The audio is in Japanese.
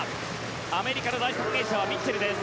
アメリカの第３泳者はミッチェルです。